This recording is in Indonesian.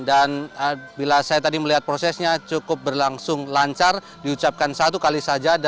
dan bila saya tadi melihat prosesnya cukup berlangsung lancar diucapkan satu kali saja